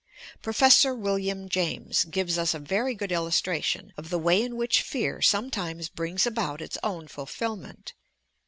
Professor William James gives us a very good illustration of the way in which fear sometimes brings about its own fulfilment.